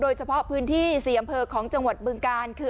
เฉพาะพื้นที่๔อำเภอของจังหวัดบึงกาลคือ